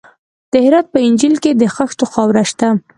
د هرات په انجیل کې د خښتو خاوره شته.